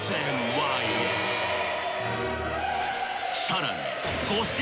［さらに］